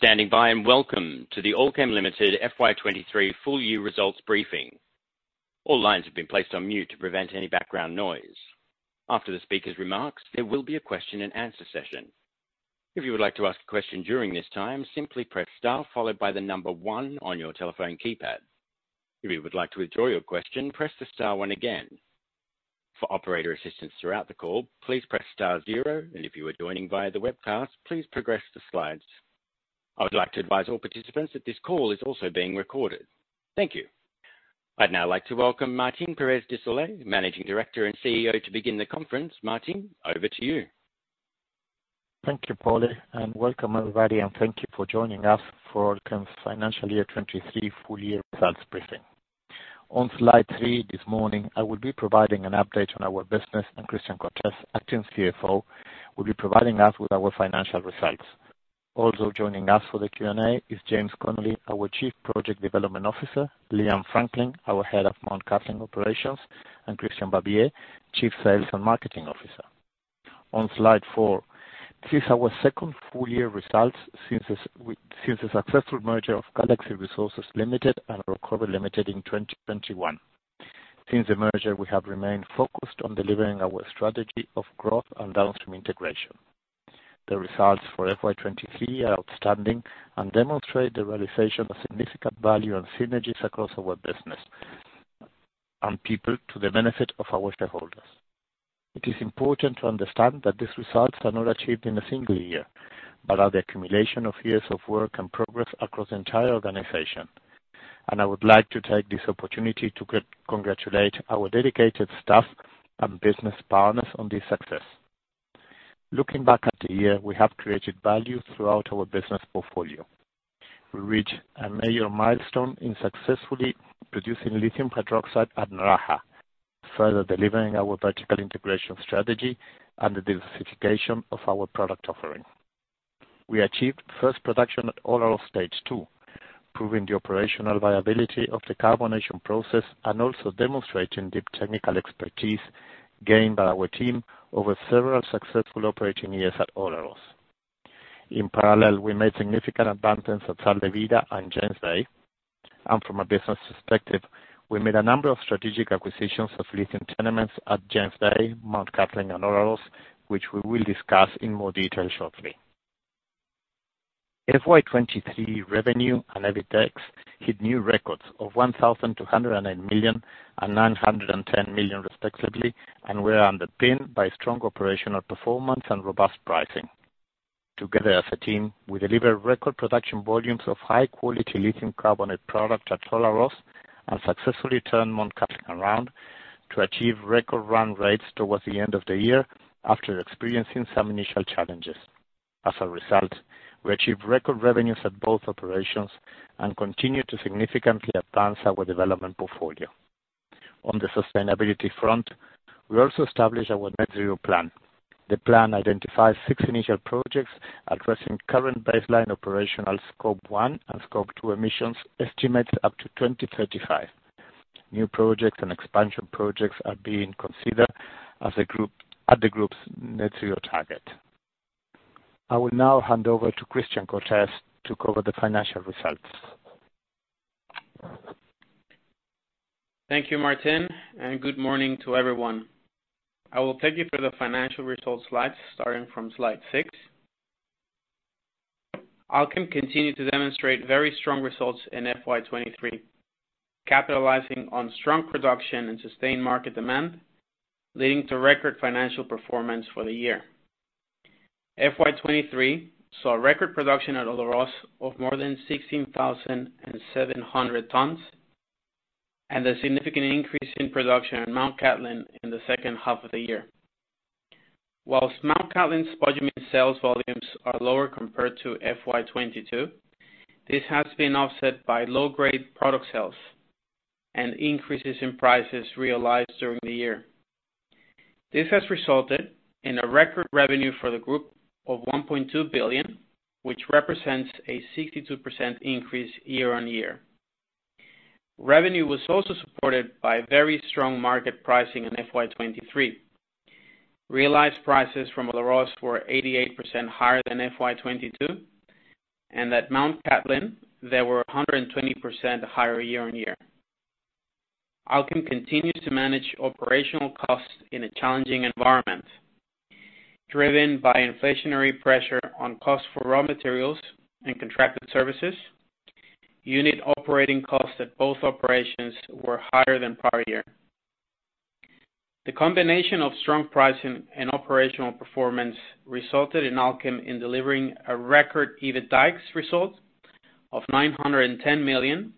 Thank you for standing by, welcome to the Allkem Limited FY23 full year results briefing. All lines have been placed on mute to prevent any background noise. After the speaker's remarks, there will be a question and answer session. If you would like to ask a question during this time, simply press star followed by 1 on your telephone keypad. If you would like to withdraw your question, press the star one again. For operator assistance throughout the call, please press star 0, if you are joining via the webcast, please progress the slides. I would like to advise all participants that this call is also being recorded. Thank you. I'd now like to welcome Martín Pérez de Solay, Managing Director and CEO, to begin the conference. Martín, over to you. Thank you, Paulie, and welcome, everybody, and thank you for joining us for Allkem's FY23 full year results briefing. On slide 3 this morning, I will be providing an update on our business and Christian Cortes, Acting CFO, will be providing us with our financial results. Also joining us for the Q&A is James Connolly, our Chief Project Development Officer, Liam Franklyn, our Head of Mt Cattlin Operations, and Christian Barbier, Chief Sales and Marketing Officer. On slide 4, this is our second full year results since the since the successful merger of Galaxy Resources Limited and Orocobre Limited in 2021. Since the merger, we have remained focused on delivering our strategy of growth and downstream integration. The results for FY23 are outstanding and demonstrate the realization of significant value and synergies across our business and people to the benefit of our shareholders. It is important to understand that these results are not achieved in a single year, but are the accumulation of years of work and progress across the entire organization, and I would like to take this opportunity to congratulate our dedicated staff and business partners on this success. Looking back at the year, we have created value throughout our business portfolio. We reached a major milestone in successfully producing lithium hydroxide at Naraha, further delivering our vertical integration strategy and the diversification of our product offering. We achieved first production at Olaroz Stage 2, proving the operational viability of the carbonation process and also demonstrating the technical expertise gained by our team over several successful operating years at Olaroz. In parallel, we made significant advances at Sal de Vida and James Bay, from a business perspective, we made a number of strategic acquisitions of lithium tenements at James Bay, Mt Catlin, and Olaroz, which we will discuss in more detail shortly. FY23 revenue and EBITDA hit new records of $1,208 million and $910 million, respectively, and were underpinned by strong operational performance and robust pricing. Together as a team, we delivered record production volumes of high quality lithium carbonate product at Olaroz, and successfully turned Mt Catlin around to achieve record run rates towards the end of the year after experiencing some initial challenges. As a result, we achieved record revenues at both operations and continued to significantly advance our development portfolio. On the sustainability front, we also established our net zero plan. The plan identifies six initial projects addressing current baseline operational Scope 1 and Scope 2 emissions estimates up to 2035. New projects and expansion projects are being considered as a group- at the group's net zero target. I will now hand over to Christian Cortes to cover the financial results. Thank you, Martín, and good morning to everyone. I will take you through the financial results slides, starting from slide 6. Allkem continued to demonstrate very strong results in FY23, capitalizing on strong production and sustained market demand, leading to record financial performance for the year. FY23 saw a record production at Olaroz of more than 16,700 tons, and a significant increase in production at Mt Cattlin in the second half of the year. Whilst Mt Cattlin's spodumene sales volumes are lower compared to FY22, this has been offset by low-grade product sales and increases in prices realized during the year. This has resulted in a record revenue for the group of 1.2 billion, which represents a 62% increase year-on-year. Revenue was also supported by very strong market pricing in FY23. Realized prices from Olaroz were 88% higher than FY22, and at Mt Cattlin, they were 120% higher year on year. Allkem continues to manage operational costs in a challenging environment. Driven by inflationary pressure on costs for raw materials and contracted services, unit operating costs at both operations were higher than prior year. The combination of strong pricing and operational performance resulted in Allkem in delivering a record EBITDAX result of 910 million,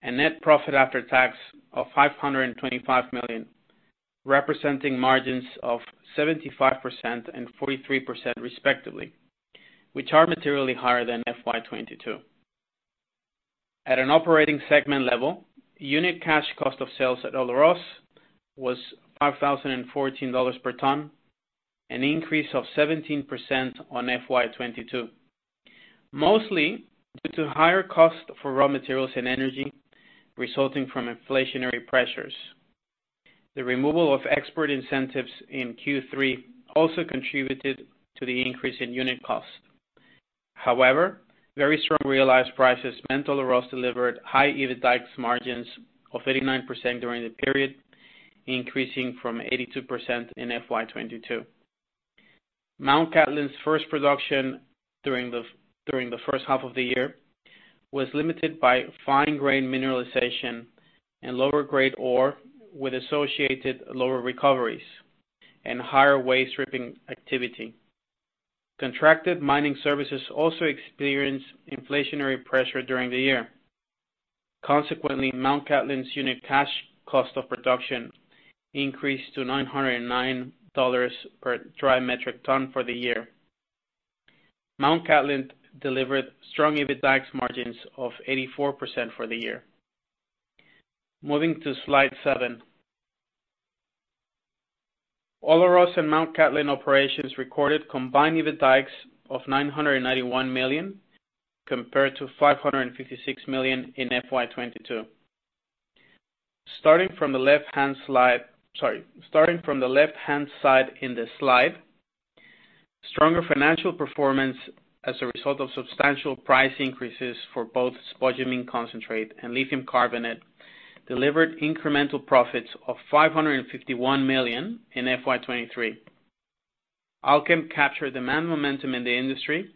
and net profit after tax of 525 million, representing margins of 75% and 43%, respectively, which are materially higher than FY22. At an operating segment level, unit cash cost of sales at Olaroz was $5,014 per ton, an increase of 17% on FY22, mostly due to higher cost for raw materials and energy resulting from inflationary pressures. The removal of export incentives in Q3 also contributed to the increase in unit costs. However, very strong realized prices meant Olaroz delivered high EBITDAX margins of 89% during the period, increasing from 82% in FY22. Mt Cattlin's first production during the first half of the year was limited by fine grain mineralization and lower grade ore, with associated lower recoveries and higher waste stripping activity. Contracted mining services also experienced inflationary pressure during the year. Consequently, Mt Cattlin's unit cash cost of production increased to $909 per dry metric ton for the year. Mt Cattlin delivered strong EBITDAX margins of 84% for the year. Moving to slide 7. Olaroz and Mt Cattlin operations recorded combined EBITDAX of $991 million, compared to $556 million in FY22. Starting from the left-hand side in this slide, stronger financial performance as a result of substantial price increases for both spodumene concentrate and lithium carbonate, delivered incremental profits of $551 million in FY23. Allkem captured the demand momentum in the industry,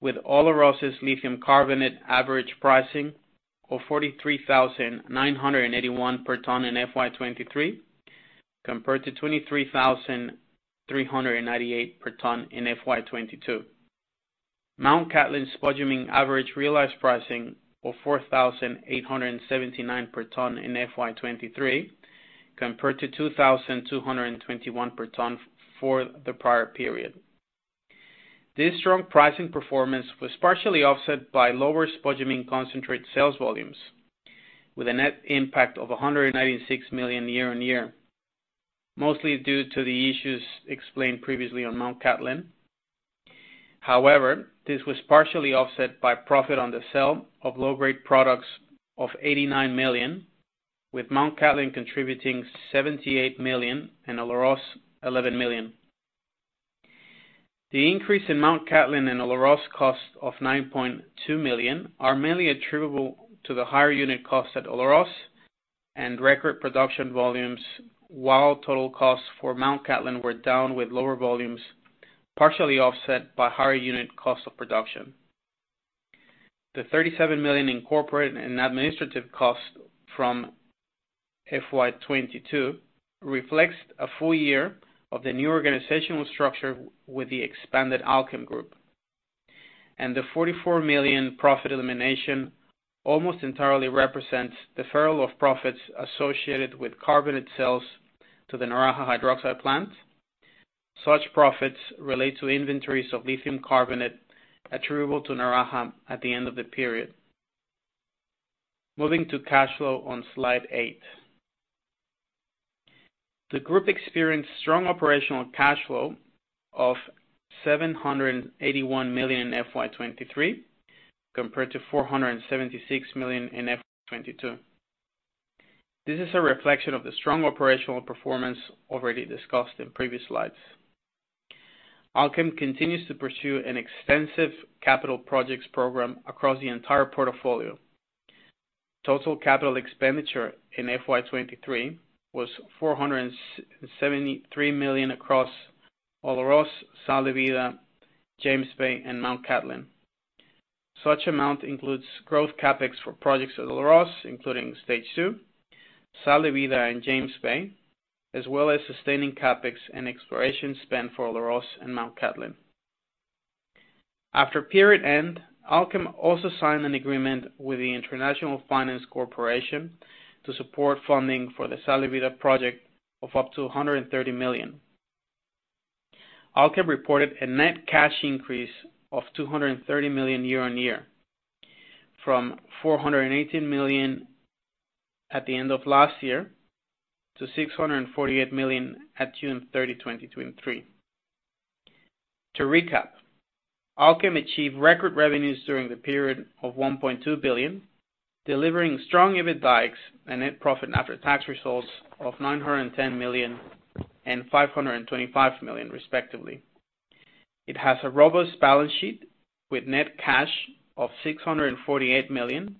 with Olaroz's lithium carbonate average pricing of $43,981 per ton in FY23, compared to $23,398 per ton in FY22. Mt Cattlin spodumene average realized pricing of $4,879 per ton in FY23, compared to $2,221 per ton for the prior period. This strong pricing performance was partially offset by lower spodumene concentrate sales volumes, with a net impact of $196 million year-on-year, mostly due to the issues explained previously on Mt Cattlin. However, this was partially offset by profit on the sale of low-grade products of $89 million, with Mt Cattlin contributing $78 million and Olaroz, $11 million. The increase in Mt Cattlin and Olaroz cost of $9.2 million are mainly attributable to the higher unit cost at Olaroz and record production volumes, while total costs for Mt Cattlin were down with lower volumes, partially offset by higher unit cost of production. The 37 million in corporate and administrative costs from FY22 reflects a full year of the new organizational structure with the expanded Allkem group. The 44 million profit elimination almost entirely represents the furlough of profits associated with carbonate sales to the Naraha Hydroxide plant. Such profits relate to inventories of lithium carbonate attributable to Naraha at the end of the period. Moving to cash flow on slide 8. The group experienced strong operational cash flow of 781 million in FY23, compared to 476 million in FY22. This is a reflection of the strong operational performance already discussed in previous slides. Allkem continues to pursue an extensive capital projects program across the entire portfolio. Total capital expenditure in FY23 was 473 million across Olaroz, Sal de Vida, James Bay and Mt Cattlin. Such amount includes growth CapEx for projects at Olaroz, including Stage Two, Sal de Vida and James Bay, as well as sustaining CapEx and exploration spend for Olaroz and Mt Cattlin. After period end, Allkem also signed an agreement with the International Finance Corporation to support funding for the Sal de Vida project of up to $130 million. Allkem reported a net cash increase of $230 million year-on-year, from $418 million at the end of last year to $648 million at June 30, 2023. To recap, Allkem achieved record revenues during the period of $1.2 billion, delivering strong EBITDAX and net profit after tax results of $910 million and $525 million, respectively. It has a robust balance sheet with net cash of $648 million.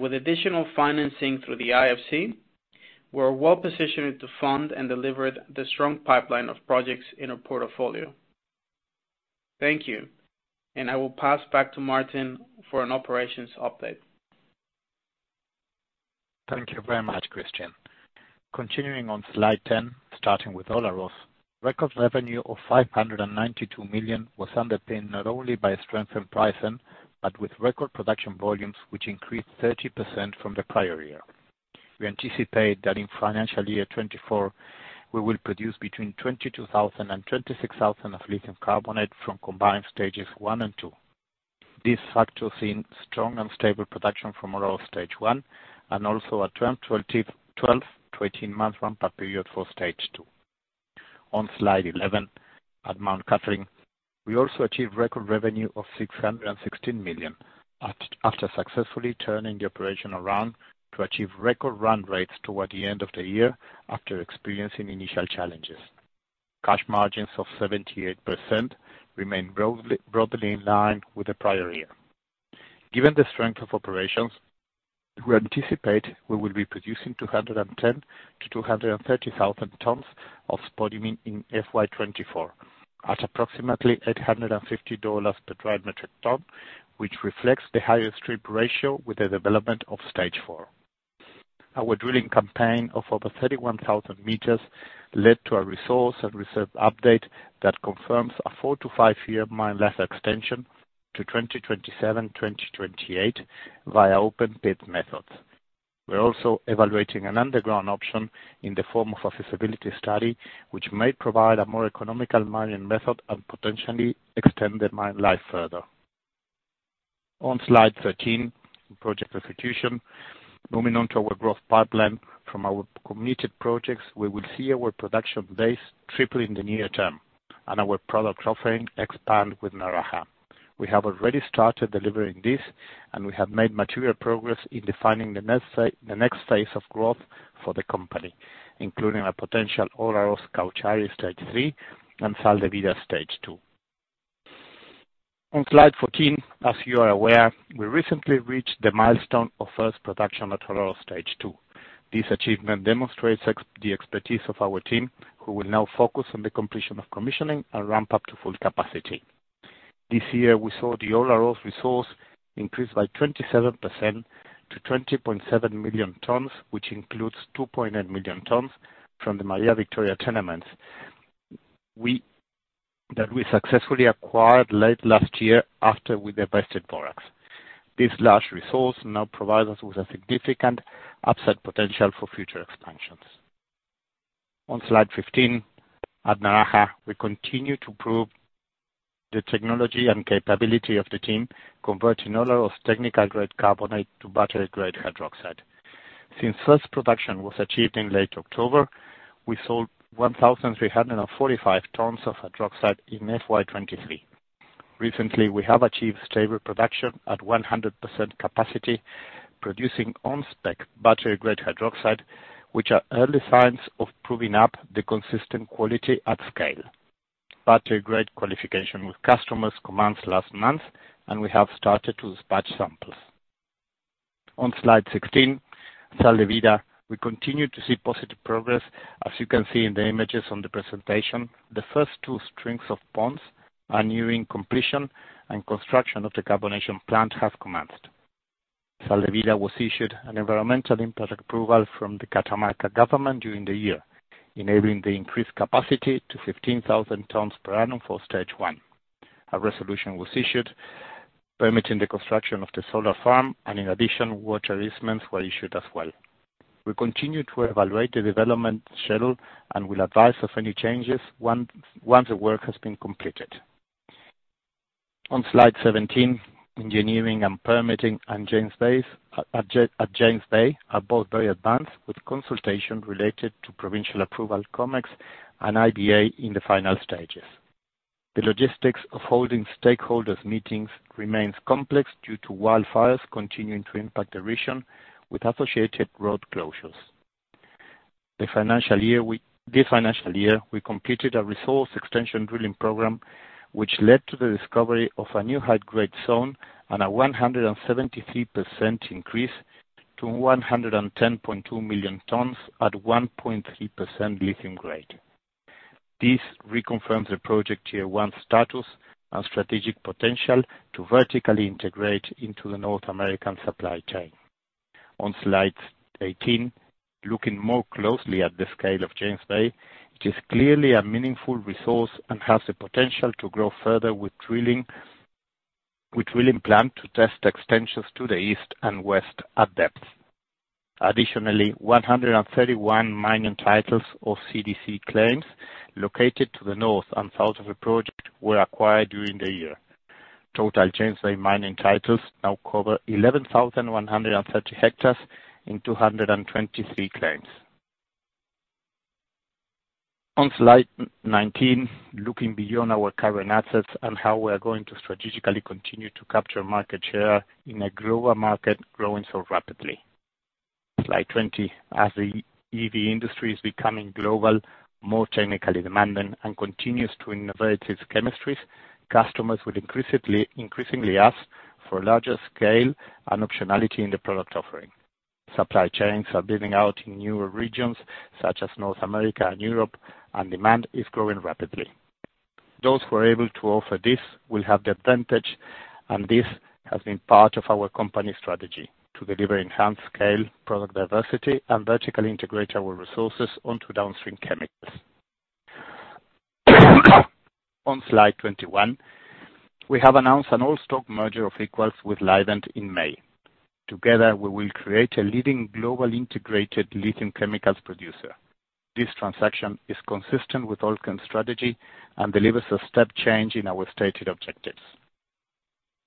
With additional financing through the IFC, we're well positioned to fund and deliver the strong pipeline of projects in our portfolio. Thank you. I will pass back to Martin for an operations update. Thank you very much, Christian. Continuing on slide 10, starting with Olaroz. Record revenue of $592 million was underpinned not only by strengthened pricing, but with record production volumes, which increased 30% from the prior year. We anticipate that in FY24, we will produce between 22,000 and 26,000 of lithium carbonate from combined Stage 1 and 2. This factors in strong and stable production from Olaroz Stage 1, and also a 12-18 month run per period for Stage 2. On Slide 11, at Mt Cattlin, we also achieved record revenue of $616 million, after successfully turning the operation around to achieve record run rates toward the end of the year, after experiencing initial challenges. Cash margins of 78% remain broadly in line with the prior year. Given the strength of operations, we anticipate we will be producing 210,000-230,000 tons of spodumene in FY24, at approximately $850 per dry metric ton, which reflects the higher strip ratio with the development of Stage Four. Our drilling campaign of over 31,000 meters led to a resource and reserve update that confirms a four to five-year mine life extension to 2027, 2028, via open pit methods. We're also evaluating an underground option in the form of a feasibility study, which may provide a more economical mining method and potentially extend the mine life further. On Slide 13, project execution. Moving on to our growth pipeline from our committed projects, we will see our production base triple in the near term, and our product offering expand with Naraha. We have already started delivering this, and we have made material progress in defining the next phase, the next phase of growth for the company, including a potential Olaroz Cauchari Stage 3 and Sal de Vida Stage Two. On Slide 14, as you are aware, we recently reached the milestone of first production at Olaroz Stage Two. This achievement demonstrates the expertise of our team, who will now focus on the completion of commissioning and ramp up to full capacity. This year, we saw the Olaroz resource increase by 27% to 20.7 million tons, which includes 2.8 million tons from the Maria Victoria tenements. We that we successfully acquired late last year after we divested Borax. This large resource now provides us with a significant upside potential for future expansions. On Slide 15, at Naraha, we continue to prove the technology and capability of the team, converting Olaroz technical grade carbonate to battery grade hydroxide. Since first production was achieved in late October, we sold 1,345 tons of hydroxide in FY23. Recently, we have achieved stable production at 100% capacity, producing on-spec battery grade hydroxide, which are early signs of proving up the consistent quality at scale. Battery grade qualification with customers commenced last month, and we have started to dispatch samples. On Slide 16, Sal de Vida, we continue to see positive progress. As you can see in the images on the presentation, the first two strings of ponds are nearing completion and construction of the carbonation plant have commenced. Sal de Vida was issued an environmental impact approval from the Catamarca government during the year, enabling the increased capacity to 15,000 tons per annum for Stage One. A resolution was issued, permitting the construction of the solar farm, in addition, water use permits were issued as well. We continue to evaluate the development schedule and will advise of any changes once the work has been completed. On Slide 17, engineering and permitting at James Bay, James Bay, are both very advanced, with consultation related to provincial approval, COMEX and IBA in the final stages. The logistics of holding stakeholders' meetings remains complex due to wildfires continuing to impact the region, with associated road closures. This financial year, we completed a resource extension drilling program, which led to the discovery of a new high-grade zone and a 173% increase to 110.2 million tons at 1.3% lithium grade. This reconfirms the project Tier One status and strategic potential to vertically integrate into the North American supply chain. On Slide 18, looking more closely at the scale of James Bay, it is clearly a meaningful resource and has the potential to grow further with drilling, with drilling planned to test extensions to the east and west at depth. Additionally, 131 mining titles of CDC claims located to the north and south of the project were acquired during the year. Total James Bay mining titles now cover 11,130 hectares in 223 claims. On Slide 19, looking beyond our current assets and how we are going to strategically continue to capture market share in a growing market, growing so rapidly. Slide 20. As the EV industry is becoming global, more technically demanding, and continues to innovate its chemistries, customers will increasingly, increasingly ask for larger scale and optionality in the product offering. Supply chains are building out in newer regions, such as North America and Europe, and demand is growing rapidly. Those who are able to offer this will have the advantage, and this has been part of our company strategy: to deliver enhanced scale, product diversity, and vertically integrate our resources onto downstream chemicals. On Slide 21, we have announced an all-stock merger of equals with Livent in May. Together, we will create a leading global integrated lithium chemicals producer. This transaction is consistent with Allkem's strategy and delivers a step change in our stated objectives....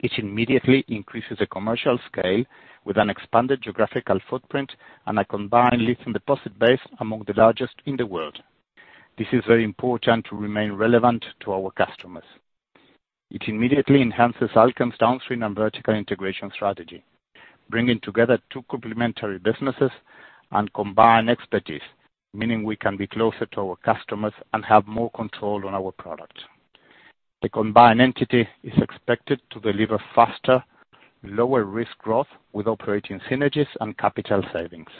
It immediately increases the commercial scale with an expanded geographical footprint and a combined lithium deposit base among the largest in the world. This is very important to remain relevant to our customers. It immediately enhances Allkem's downstream and vertical integration strategy, bringing together two complementary businesses and combined expertise, meaning we can be closer to our customers and have more control on our product. The combined entity is expected to deliver faster, lower risk growth with operating synergies and capital savings.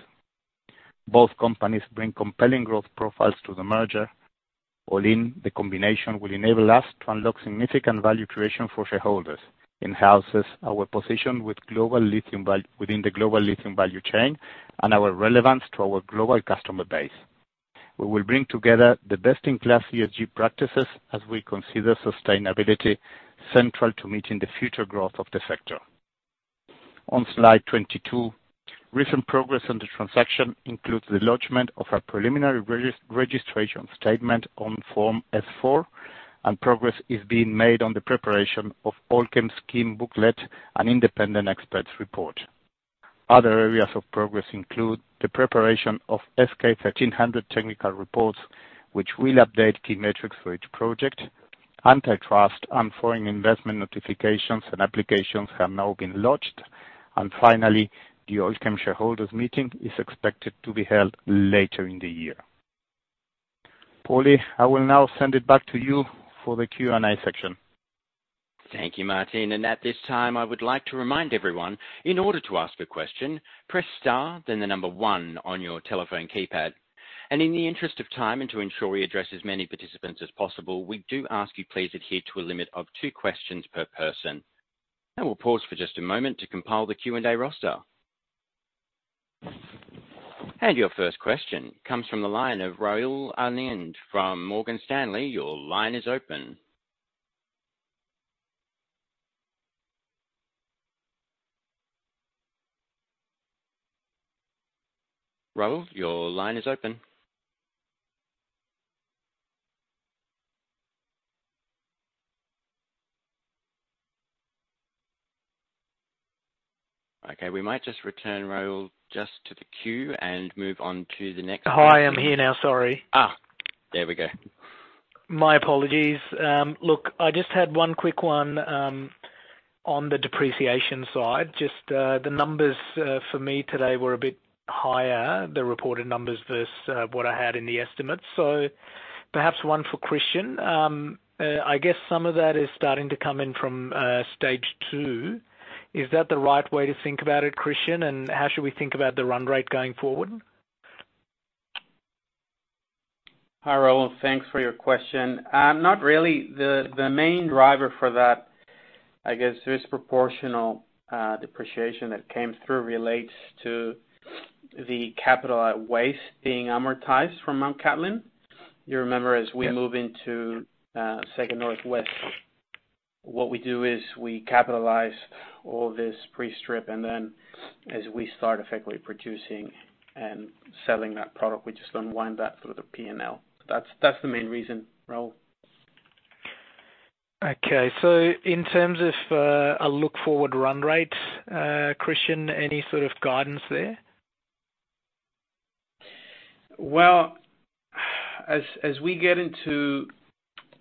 Both companies bring compelling growth profiles to the merger. All in, the combination will enable us to unlock significant value creation for shareholders, enhances our position within the global lithium value chain, and our relevance to our global customer base. We will bring together the best-in-class ESG practices as we consider sustainability central to meeting the future growth of the sector. On Slide 22, recent progress on the transaction includes the lodgment of a preliminary registration statement on Form S-4. Progress is being made on the preparation of Allkem's scheme booklet and Independent Expert's Report. Other areas of progress include the preparation of SK1300 technical reports, which will update key metrics for each project. Antitrust and foreign investment notifications and applications have now been lodged. Finally, the Allkem shareholders meeting is expected to be held later in the year. Paulie, I will now send it back to you for the Q&A section. Thank you, Martin. At this time, I would like to remind everyone, in order to ask a question, press star, then the number one on your telephone keypad. In the interest of time and to ensure we address as many participants as possible, we do ask you please adhere to a limit of 2 questions per person. I will pause for just a moment to compile the Q&A roster. Your first question comes from the line of Rahul Anand from Morgan Stanley. Your line is open. Rahul, your line is open. Okay, we might just return, Rahul, just to the queue and move on to the next- Hi, I'm here now. Sorry. Ah! There we go. My apologies. Look, I just had one quick one on the depreciation side. Just, the numbers for me today were a bit higher, the reported numbers versus, what I had in the estimates. Perhaps one for Christian. I guess some of that is starting to come in from Stage Two. Is that the right way to think about it, Christian? How should we think about the run rate going forward? Hi, Raul, thanks for your question. Not really. The, the main driver for that, I guess, this proportional depreciation that came through relates to the capital at waste being amortized from Mt Cattlin. You remember, as we move into second northwest, what we do is we capitalize all this pre-strip, and then as we start effectively producing and selling that product, we just unwind that through the P&L. That's the main reason, Raul. Okay. In terms of a look-forward run rate, Christian, any sort of guidance there? Well, as, as we get into,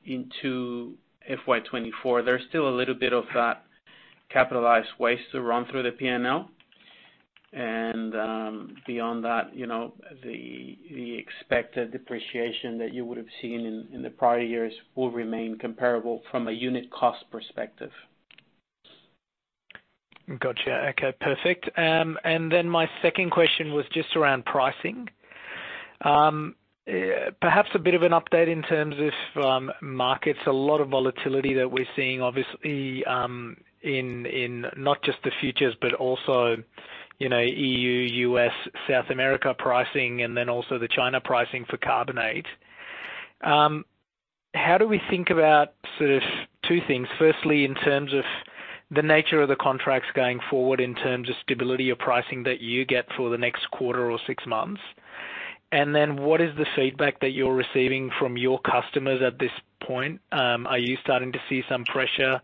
into FY24, there's still a little bit of that capitalized waste to run through the P&L. Beyond that, you know, the, the expected depreciation that you would have seen in, in the prior years will remain comparable from a unit cost perspective. Gotcha. Okay, perfect. My second question was just around pricing. Perhaps a bit of an update in terms of markets, a lot of volatility that we're seeing, obviously, in not just the futures, but also, you know, EU, US, South America pricing, and then also the China pricing for carbonate. How do we think about sort of two things? Firstly, in terms of the nature of the contracts going forward, in terms of stability or pricing that you get for the next quarter or six months. What is the feedback that you're receiving from your customers at this point? Are you starting to see some pressure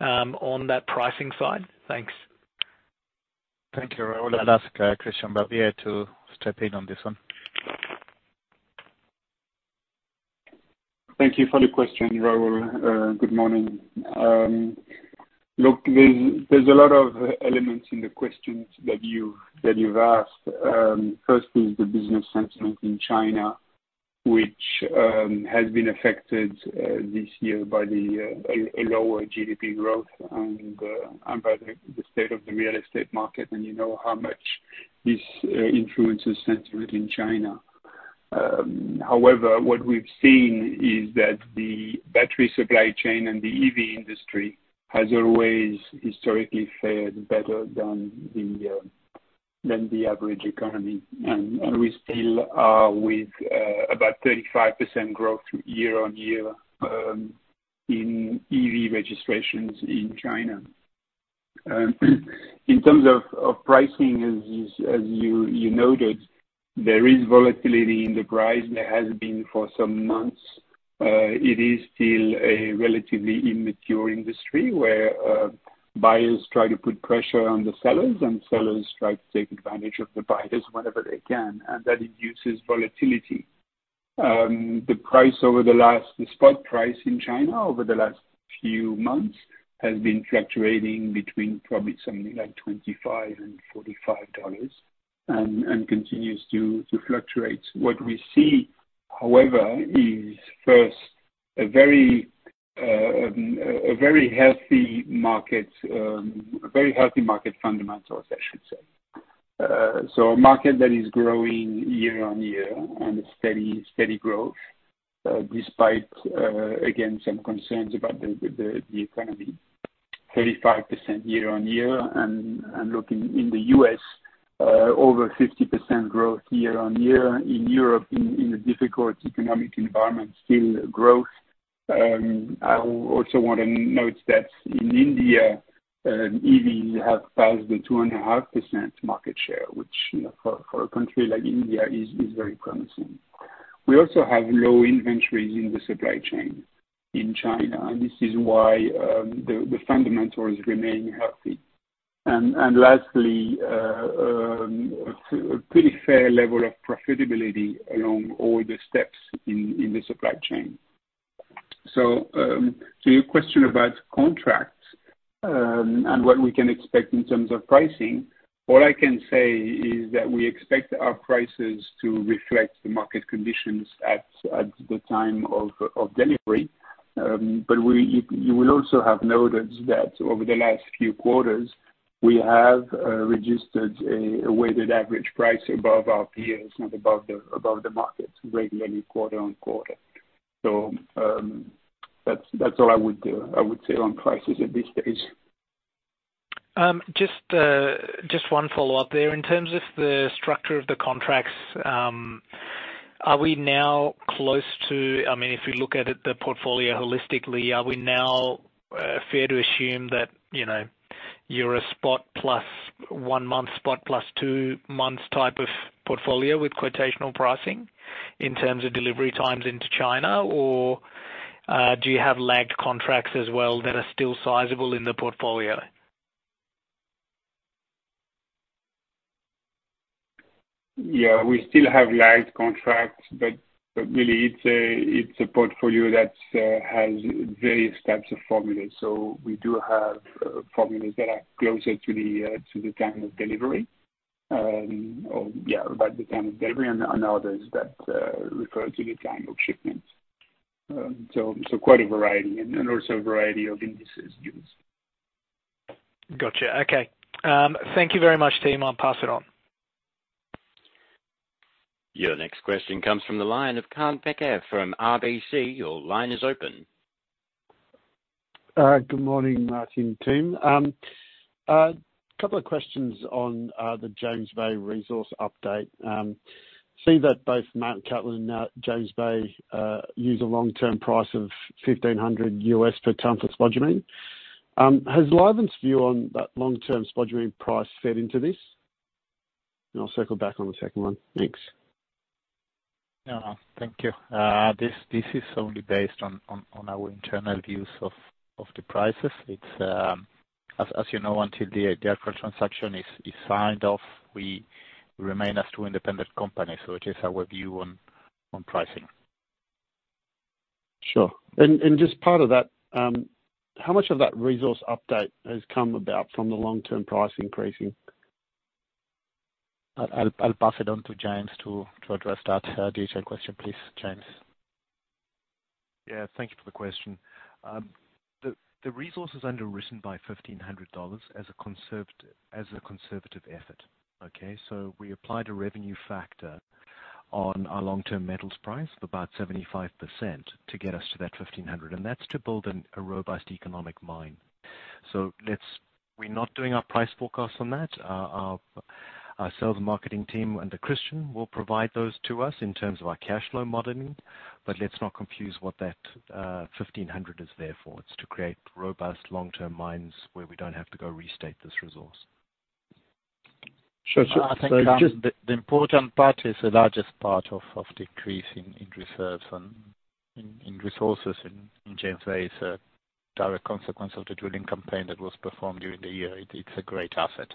on that pricing side? Thanks. Thank you, Rahul. I'll ask Christian Barbier to step in on this one. Thank you for the question, Raul. Good morning. Look, there's a lot of elements in the questions that you've asked. Firstly, is the business sentiment in China, which has been affected, this year by the a lower GDP growth and by the state of the real estate market, and you know how much this influences sentiment in China. However, what we've seen is that the battery supply chain and the EV industry has always historically fared better than the average economy. We still are with about 35% growth year on year in EV registrations in China. In terms of pricing, as you noted, there is volatility in the price, and there has been for some months. It is still a relatively immature industry, where buyers try to put pressure on the sellers, and sellers try to take advantage of the buyers whenever they can. That induces volatility. The price the spot price in China over the last few months has been fluctuating between probably something like $25 and $45, continues to fluctuate. What we see, however, is first, a very, a very healthy market, a very healthy market fundamentals, I should say. A market that is growing year-over-year, and a steady, steady growth, despite again, some concerns about the economy. 35% year-over-year, looking in the U.S., over 50% growth year-over-year. In Europe, in a difficult economic environment, still growth. I also want to note that in India, EV have passed the 2.5% market share, which, you know, for, for a country like India is, is very promising. We also have low inventories in the supply chain in China, and this is why, the fundamentals remain healthy. Lastly, a pretty fair level of profitability along all the steps in, in the supply chain. So your question about contracts, and what we can expect in terms of pricing, all I can say is that we expect our prices to reflect the market conditions at, at the time of, of delivery. You, you will also have noted that over the last few quarters, we have registered a, a weighted average price above our peers and above the, above the market regularly, quarter on quarter. That's, that's all I would say on prices at this stage. Just one follow-up there. In terms of the structure of the contracts, I mean, if you look at it, the portfolio holistically, are we now fair to assume that, you know, you're a spot plus 1 month, spot plus 2 months type of portfolio with quotational pricing, in terms of delivery times into China? Or, do you have lagged contracts as well, that are still sizable in the portfolio? Yeah, we still have lagged contracts, but really, it's a portfolio that has various types of formulas. We do have formulas that are closer to the to the time of delivery. Or yeah, about the time of delivery and others that refer to the time of shipment. So quite a variety, and also a variety of indices used. Gotcha. Okay. Thank you very much, Tim. I'll pass it on. Your next question comes from the line of Kaan Peker from RBC. Your line is open. Good morning, Martín and team. Couple of questions on the James Bay resource update. See that both Mt Cattlin and now James Bay use a long-term price of $1,500 per ton for spodumene. Has Livent's view on that long-term spodumene price fed into this? I'll circle back on the second one. Thanks. Yeah. Thank you. This, this is only based on, on, on our internal views of, of the prices. It's, as, as you know, until the, the approval transaction is, is signed off, we remain as two independent companies. It is our view on, on pricing. Sure. Just part of that, how much of that resource update has come about from the long-term price increasing? I'll, I'll, I'll pass it on to James to, to address that, detailed question. Please, James. Yeah, thank you for the question. The, the resource is underwritten by $1,500 as a conservative effort. Okay? We applied a revenue factor on our long-term metals price of about 75% to get us to that $1,500, and that's to build an, a robust economic mine. We're not doing our price forecast on that. Our, our sales and marketing team under Christian will provide those to us in terms of our cash flow modeling. Let's not confuse what that $1,500 is there for. It's to create robust long-term mines where we don't have to go restate this resource. Sure. The important part is the largest part of the increase in reserves and in resources in James Bay is a direct consequence of the drilling campaign that was performed during the year. It's a great asset.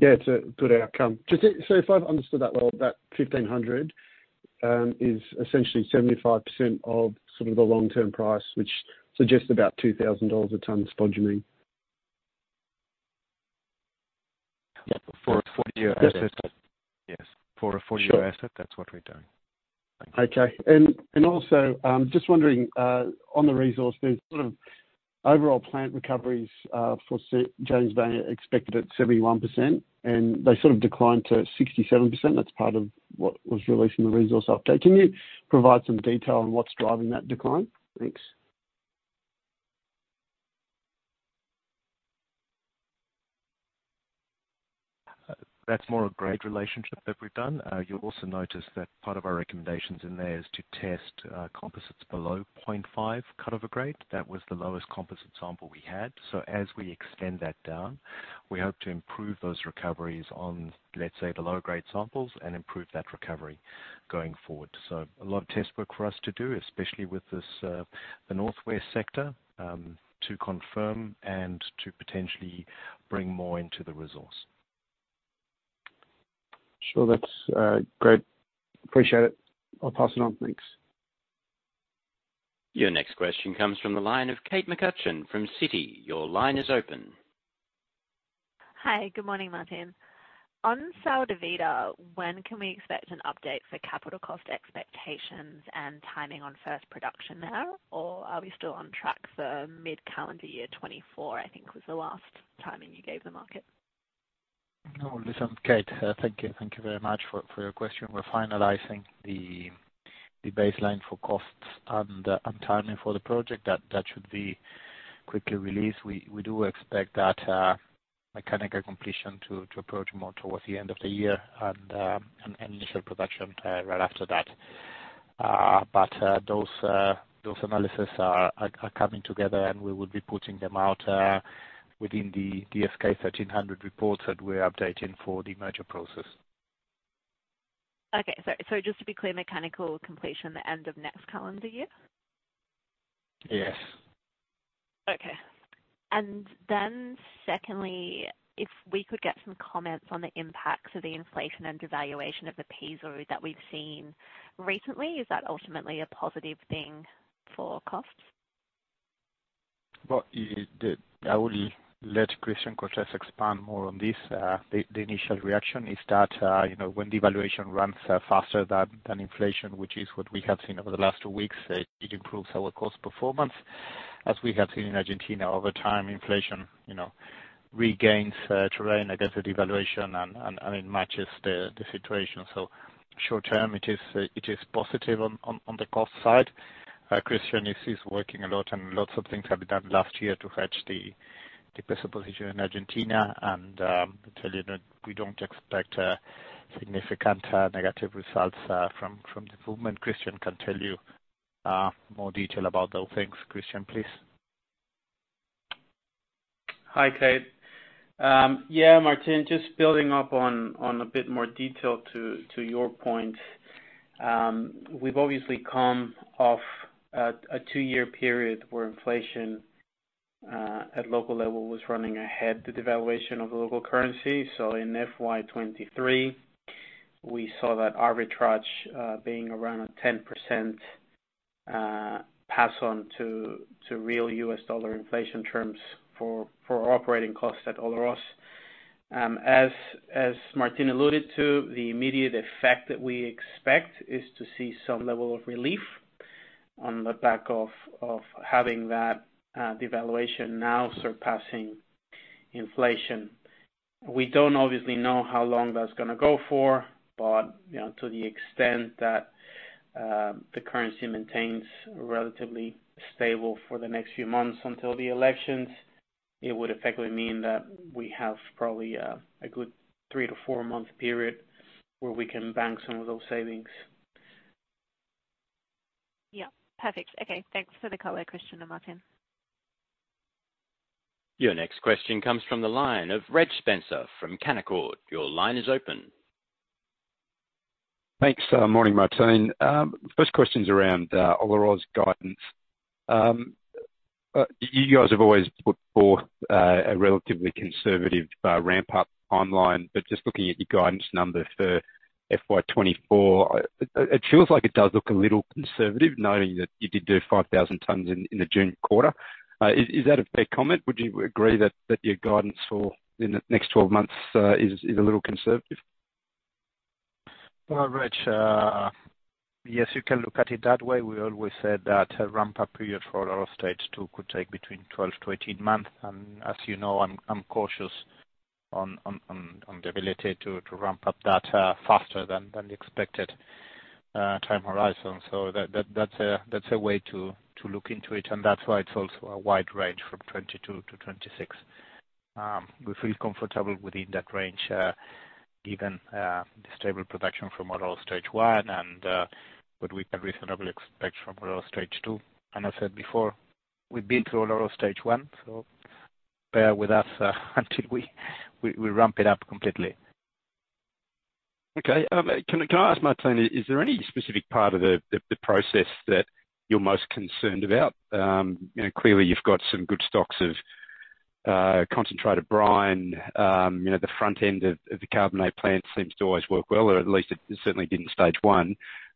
Yeah, it's a good outcome. Just if I've understood that well, that 1,500, is essentially 75% of sort of the long-term price, which suggests about $2,000 a ton of spodumene. For a full year. Yes. Yes, for a full year asset- Sure that's what we're doing. Okay. Also, just wondering, on the resource, the sort of overall plant recoveries, for James Bay are expected at 71%, and they sort of declined to 67%. That's part of what was released in the resource update. Can you provide some detail on what's driving that decline? Thanks. That's more a grade relationship that we've done. You'll also notice that part of our recommendations in there is to test composites below 0.5 cut of a grade. That was the lowest composite sample we had. As we extend that down, we hope to improve those recoveries on, let's say, the lower grade samples and improve that recovery going forward. A lot of test work for us to do, especially with this, the northwest sector, to confirm and to potentially bring more into the resource. Sure, that's great. Appreciate it. I'll pass it on. Thanks. Your next question comes from the line of Kate McCutcheon from Citi. Your line is open. Hi, good morning, Martín. On Sal de Vida, when can we expect an update for capital cost expectations and timing on first production there? Or are we still on track for mid-calendar year 2024, I think, was the last timing you gave the market. No, listen, Kate, thank you. Thank you very much for, for your question. We're finalizing the, the baseline for costs and, and timing for the project. That, that should be quickly released. We, we do expect that mechanical completion to approach more towards the end of the year and, and initial production right after that. Those analysis are, are, are coming together, and we will be putting them out within the SK1300 reports that we're updating for the merger process. Okay, sorry. Just to be clear, mechanical completion, the end of next calendar year? Yes. Okay. Then secondly, if we could get some comments on the impacts of the inflation and devaluation of the peso that we've seen recently, is that ultimately a positive thing for costs? Well, I will let Christian Cortes expand more on this. The, the initial reaction is that, you know, when devaluation runs faster than, than inflation, which is what we have seen over the last two weeks, it improves our cost performance. As we have seen in Argentina, over time, inflation, you know, regains terrain against the devaluation, and, and, and it matches the, the situation. So short term, it is positive on, on, on the cost side. Christian is, is working a lot, and lots of things have been done last year to hedge the, the peso position in Argentina. And, I tell you that we don't expect a significant negative results from, from the movement. Christian can tell you more detail about those things. Christian, please. Hi, Kate. yeah, Martín, just building up on, on a bit more detail to, to your point. we've obviously come off a, a two-year period where inflation, at local level, was running ahead, the devaluation of the local currency. In FY23, we saw that arbitrage, being around a 10%, pass on to, to real US dollar inflation terms for, for operating costs at Olaroz. as, as Martín alluded to, the immediate effect that we expect is to see some level of relief on the back of, of having that, devaluation now surpassing inflation. We don't obviously know how long that's gonna go for, but, you know, to the extent that the currency maintains relatively stable for the next few months until the elections, it would effectively mean that we have probably a good three to four-month period where we can bank some of those savings. Yeah, perfect. Okay, thanks for the color, Christian and Martin. Your next question comes from the line of Reg Spencer from Canaccord. Your line is open. Thanks. Morning, Martín. First question's around Olaroz guidance. You guys have always put forth a relatively conservative ramp-up timeline, but just looking at your guidance number for FY24, it feels like it does look a little conservative, knowing that you did do 5,000 tons in the June quarter. Is that a fair comment? Would you agree that your guidance for in the next 12 months is a little conservative? Well, Reg, yes, you can look at it that way. We always said that a ramp-up period for Olaroz Stage Two could take between 12 to 18 months, and as you know, I'm cautious on the ability to ramp up that faster than the expected time horizon. That's a way to look into it, and that's why it's also a wide range from 22-26. We feel comfortable within that range, given the stable production from Olaroz Stage 1 and what we can reasonably expect from Olaroz Stage Two. I said before, we've been through Olaroz Stage 1, so bear with us until we ramp it up completely. Okay, can I ask, Martín, is there any specific part of the process that you're most concerned about? You know, clearly you've got some good stocks of concentrated brine. You know, the front end of the carbonate plant seems to always work well, or at least it certainly did in stage one.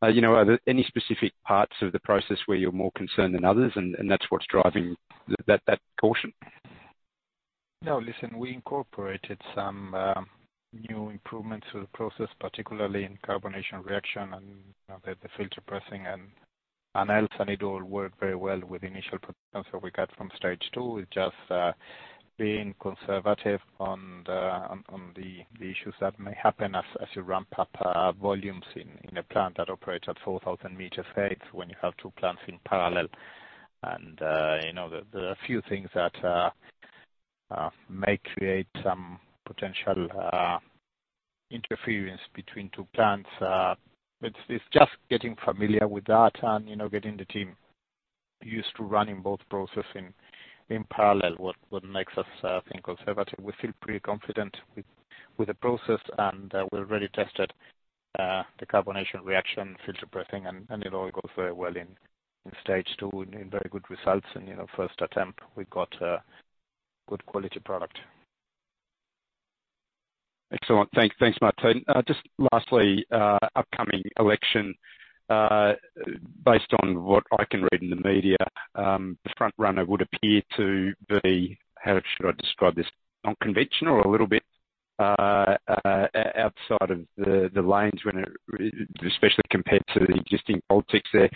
You know, are there any specific parts of the process where you're more concerned than others, and that's what's driving that caution? No, listen, we incorporated some new improvements to the process, particularly in carbonation reaction and the filter pressing and else, and it all worked very well with the initial performance that we got from Stage Two. It's just being conservative on the issues that may happen as you ramp up volumes in a plant that operates at 4,000 meters height when you have 2 plants in parallel. You know, there are a few things that may create some potential interference between 2 plants. It's just getting familiar with that and, you know, getting the team used to running both processing in parallel, what makes us think conservative. We feel pretty confident with, with the process, and, we already tested, the carbonation reaction, filter pressing, and, and it all goes very well in, in stage two, and very good results and, you know, first attempt, we've got a good quality product. Excellent. Thanks, thanks, Martin. Just lastly, upcoming election, based on what I can read in the media, the front runner would appear to be, how should I describe this? Non-conventional or a little bit outside of the lanes when it, especially compared to the existing politics there.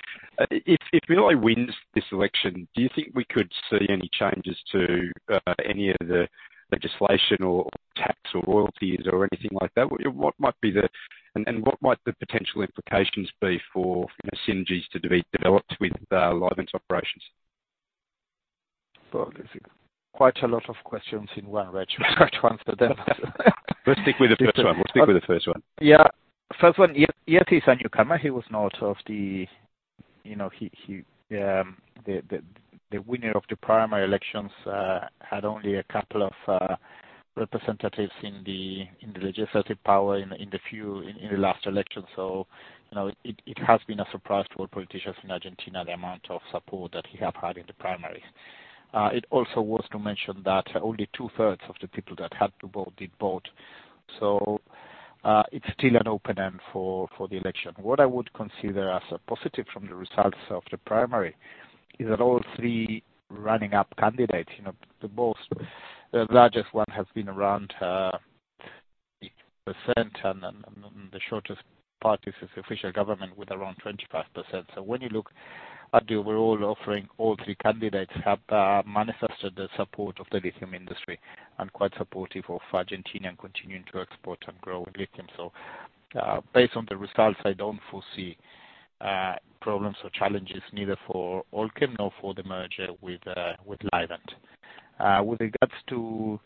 If Milei wins this election, do you think we could see any changes to any of the legislation or tax or royalties or anything like that? What might the potential implications be for, you know, synergies to be developed with Livent's operations? Well, I think quite a lot of questions in one, right? I'll try to answer them. Let's stick with the first one. We'll stick with the first one. Yeah. First one, yeah, yes, he's a newcomer. He was not of the. You know, he, he, the, the, the winner of the primary elections had only a couple of representatives in the legislative power in the few, in the last election. You know, it, it has been a surprise to all politicians in Argentina, the amount of support that he have had in the primaries. It also was to mention that only two-thirds of the people that had to vote, did vote. It's still an open end for, for the election. What I would consider as a positive from the results of the primary, is that all three running up candidates, you know, the most, the largest one, has been around percent, and then the shortest party is official government with around 25%. When you look at the overall offering, all three candidates have manifested the support of the lithium industry, and quite supportive of Argentina continuing to export and grow in lithium. Based on the results, I don't foresee problems or challenges, neither for Allkem nor for the merger with Livent. With regards to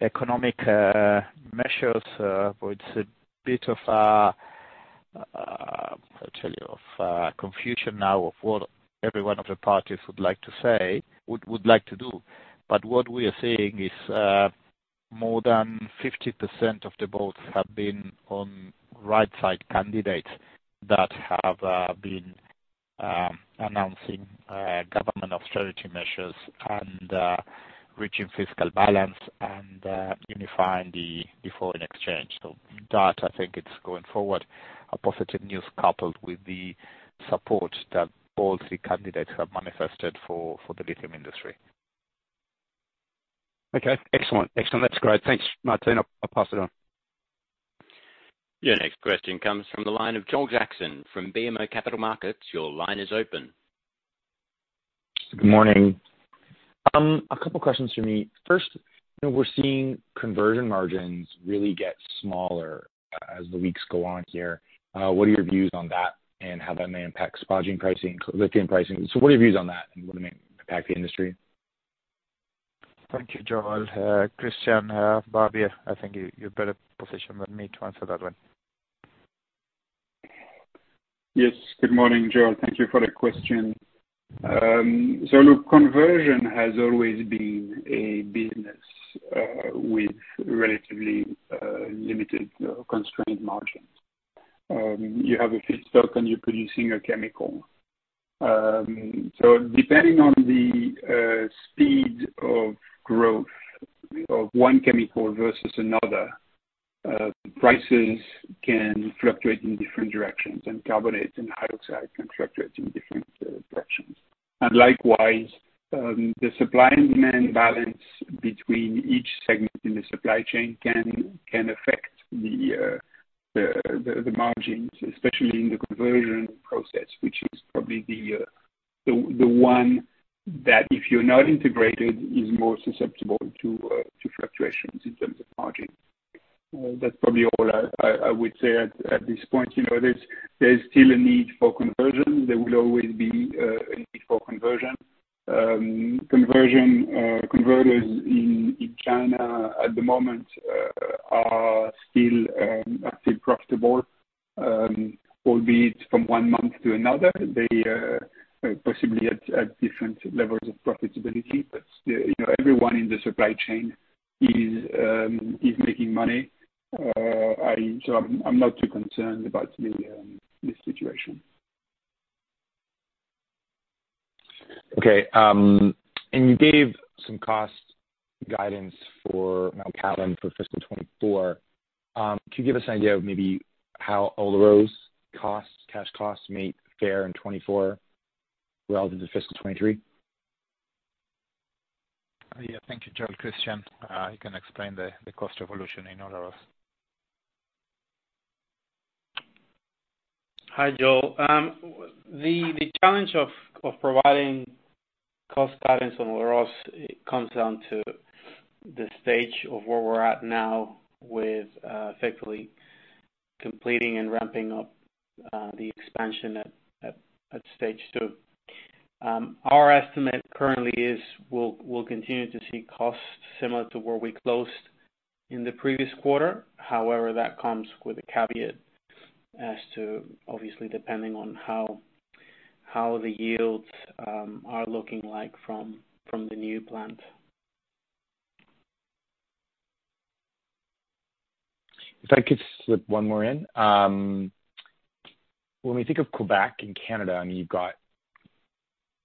economic measures, it's a bit of, I'll tell you, of confusion now of what every one of the parties would like to say, would, would like to do. What we are seeing is more than 50% of the votes have been on right side candidates, that have been announcing government austerity measures and reaching fiscal balance and unifying the foreign exchange. That I think is going forward, a positive news, coupled with the support that all three candidates have manifested for, for the lithium industry. Okay, excellent. Excellent, That's great. Thanks, Martín. I'll, I'll pass it on. Your next question comes from the line of Joel Jackson from BMO Capital Markets. Your line is open. Good morning. A couple questions for me. First, you know, we're seeing conversion margins really get smaller as the weeks go on here. What are your views on that, and how that may impact spodumene pricing, lithium pricing? What are your views on that, and what it may impact the industry? Thank you, Joel. Christian, Barbier, I think you, you're better positioned than me to answer that one. Yes. Good morning, Joel. Thank you for the question. Look, conversion has always been a business with relatively limited constraint margins. You have a feedstock and you're producing a chemical. So depending on the speed of growth of one chemical versus another, prices can fluctuate in different directions, and carbonates and hydroxide can fluctuate in different directions. Likewise, the supply and demand balance between each segment in the supply chain can, can affect the margins, especially in the conversion process, which is probably the one that, if you're not integrated, is more susceptible to fluctuations in terms of margin. That's probably all I, I, I would say at, at this point. You know, there's, there's still a need for conversion. There will always be a need for conversion. Conversion, converters in, in China at the moment, are still, are still profitable, albeit from one month to another. They, possibly at, at different levels of profitability. You know, everyone in the supply chain is, is making money. I'm, I'm not too concerned about the situation. Okay, you gave some cost guidance for Mt Cattlin for fiscal 2024. Could you give us an idea of maybe how Olaroz cost, cash costs may fare in 2024 relative to fiscal 2023? Yeah. Thank you, Joel. Christian, you can explain the, the cost evolution in Olaroz. Hi, Joel. the, the challenge of, of providing cost guidance on Olaroz, it comes down to the stage of where we're at now with, effectively- completing and ramping up the expansion at Stage Two. Our estimate currently is, we'll continue to see costs similar to where we closed in the previous quarter. However, that comes with a caveat as to obviously depending on how the yields are looking like from the new plant. If I could slip one more in. When we think of Quebec and Canada, I mean, you've got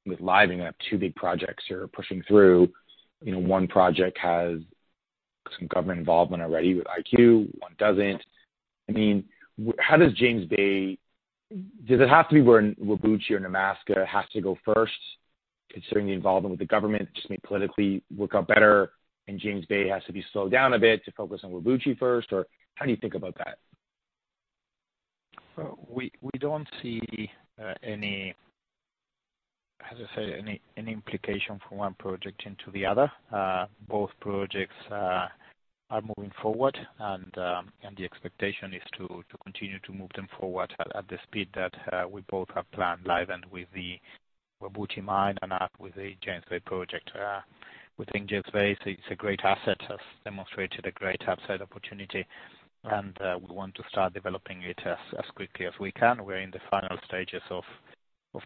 with Livent two big projects you're pushing through. You know, one project has some government involvement already with IQ, one doesn't. I mean, how does James Bay, does it have to be where Whabouchi or Nemaska has to go first, considering the involvement with the government, just may politically work out better, and James Bay has to be slowed down a bit to focus on Whabouchi first? Or how do you think about that? We, we don't see any, how to say, any, any implication from one project into the other. Both projects are moving forward, and the expectation is to continue to move them forward at the speed that we both have planned, Livent and with the Whabouchi mine and up with the James Bay project. We think James Bay is a, it's a great asset, has demonstrated a great upside opportunity, and we want to start developing it as quickly as we can. We're in the final stages of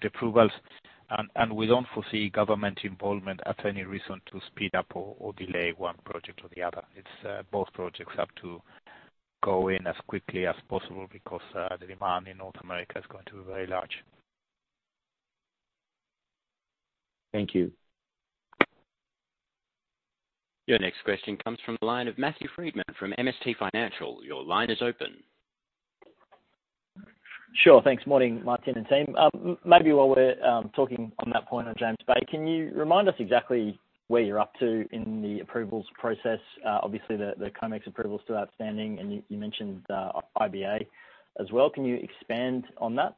the approvals, and we don't foresee government involvement as any reason to speed up or delay one project or the other. It's, both projects have to go in as quickly as possible because the demand in North America is going to be very large. Thank you. Your next question comes from the line of Matthew Freedman from MST Financial. Your line is open. Sure. Thanks. Morning, Martin and team. Maybe while we're talking on that point of James Bay, can you remind us exactly where you're up to in the approvals process? Obviously, the COMEX approval is still outstanding, and you mentioned IBA as well. Can you expand on that?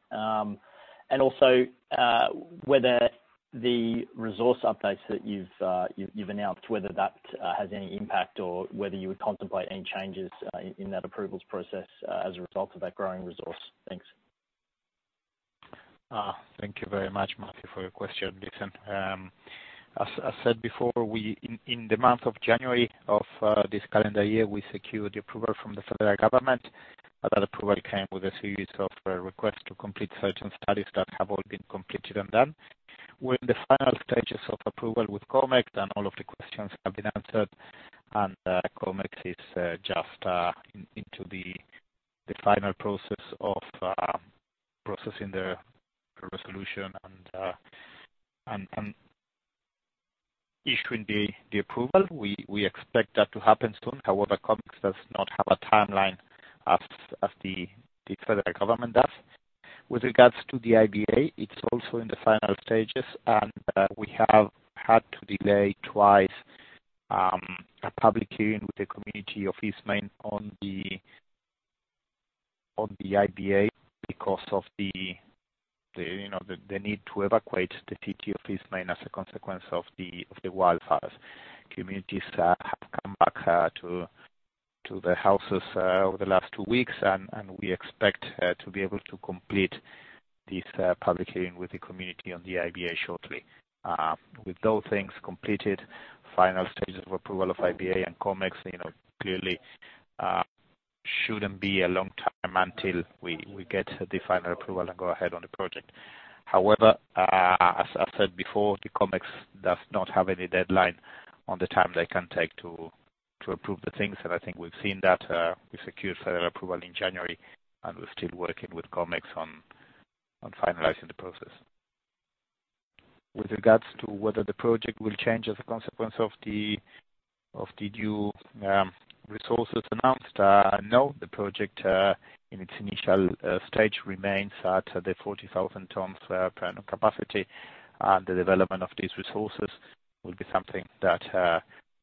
Also, whether the resource updates that you've, you've, you've announced, whether that has any impact or whether you would contemplate any changes, in, in that approvals process, as a result of that growing resource? Thanks. Thank you very much, Matthew, for your question. Listen. As I said before, we in the month of January of this calendar year, we secured the approval from the federal government. That approval came with a series of requests to complete certain studies that have all been completed and done. We're in the final stages of approval with COMEX, and all of the questions have been answered, and COMEX is just in into the final process of processing the resolution and issuing the approval. We expect that to happen soon. However, COMEX does not have a timeline as as the federal government does. With regards to the IBA, it's also in the final stages, and we have had to delay twice a public hearing with the community of Eastmain on the, on the IBA because of the, the, you know, the, the need to evacuate the city of Eastmain as a consequence of the, of the wildfires. Communities have come back to, to the houses over the last two weeks, and we expect to be able to complete this public hearing with the community on the IBA shortly. With those things completed, final stages of approval of IBA and COMEX, you know, clearly, shouldn't be a long time until we, we get the final approval and go ahead on the project. However, as I've said before, the COMEX does not have any deadline on the time they can take to approve the things. I think we've seen that, we secured federal approval in January, and we're still working with COMEX on finalizing the process. With regards to whether the project will change as a consequence of the new resources announced, no, the project in its initial stage, remains at the 40,000 tons per annum capacity, and the development of these resources will be something that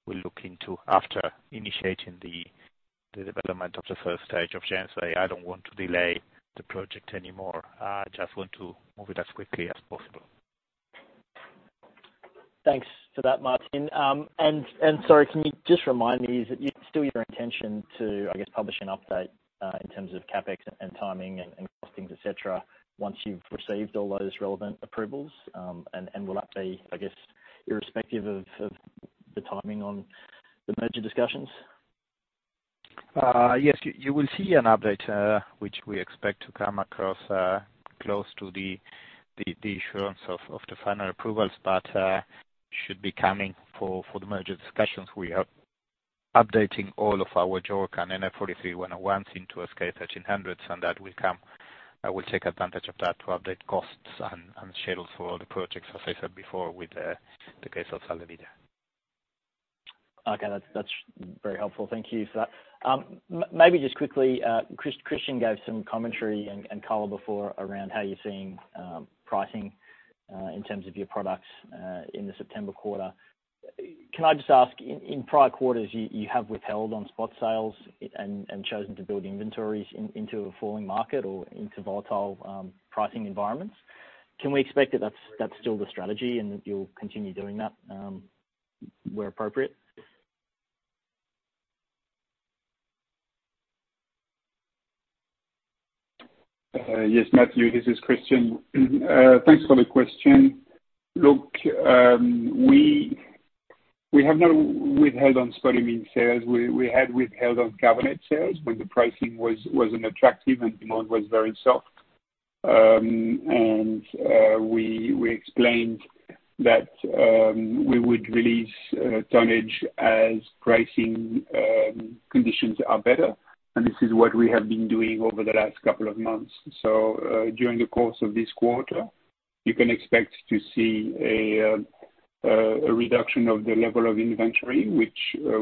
we'll look into after initiating the development of the first stage of James Bay. I don't want to delay the project anymore. I just want to move it as quickly as possible. Thanks for that, Martín. Sorry, can you just remind me, is it still your intention to, I guess, publish an update, in terms of CapEx and, and timing and, and costings, et cetera, once you've received all those relevant approvals? Will that be, I guess, irrespective of, of the timing on the merger discussions? Yes. You, you will see an update, which we expect to come across, close to the, the, the assurance of, of the final approvals, but should be coming for, for the merger discussions. We are updating all of our JORC and NI 43-101s into SK1300s, and that will come. I will take advantage of that to update costs and schedules for all the projects, as I said before, with the case of Sal de Vida. Okay. That's, that's very helpful. Thank you for that. Maybe just quickly, Christian gave some commentary and color before around how you're seeing pricing in terms of your products in the September quarter. Can I just ask, in prior quarters, you have withheld on spot sales and chosen to build inventories in into a falling market or into volatile pricing environments. Can we expect that that's still the strategy and that you'll continue doing that where appropriate? Yes, Matthew Freedman, this is Christian Cortes. Thanks for the question. Look, we, we have no withheld on spodumene sales. We, we had withheld on carbonate sales, but the pricing wasn't attractive and demand was very soft. We, we explained that we would release tonnage as pricing conditions are better, and this is what we have been doing over the last couple of months. During the course of this quarter, you can expect to see a reduction of the level of inventory, which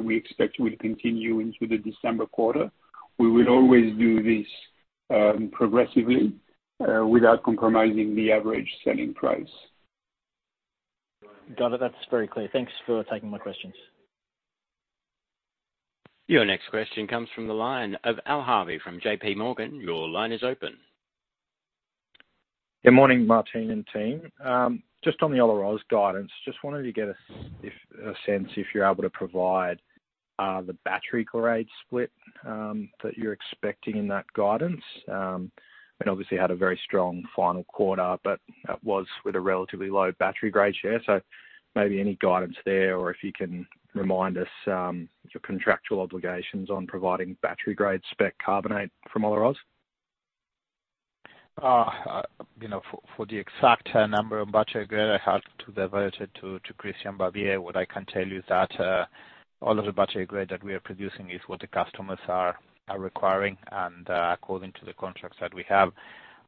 we expect will continue into the December quarter. We will always do this progressively without compromising the average selling price. Got it. That's very clear. Thanks for taking my questions. Your next question comes from the line of Al Harvey from J.P. Morgan. Your line is open. Good morning, Martín and team. Just on the Olaroz guidance, just wanted to get a sense if you're able to provide the battery grade split that you're expecting in that guidance. Obviously had a very strong final quarter, but that was with a relatively low battery grade share. Maybe any guidance there, or if you can remind us, your contractual obligations on providing battery grade spec carbonate from Olaroz. you know, for, for the exact number of battery grade, I have to divert it to Christian Javier. What I can tell you is that all of the battery grade that we are producing is what the customers are requiring, and according to the contracts that we have.